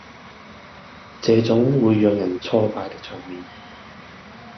這種會讓人挫敗的場面